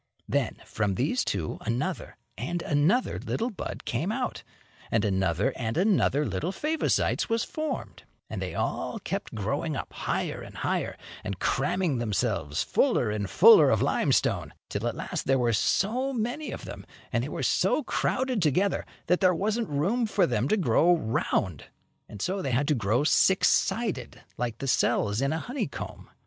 Then, from these two another and another little bud came out, and another and another little Favosites was formed, and they all kept growing up higher and higher, and cramming themselves fuller and fuller of limestone, till at last there were so many of them, and they were so crowded together, that there wasn't room for them to grow round; so they had to grow six sided, like the cells in a honeycomb.